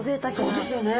そうですよね。